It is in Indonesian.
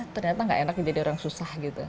ternyata gak enak jadi orang susah gitu